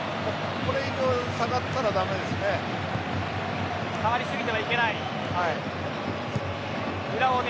これ以上下がったら駄目ですね。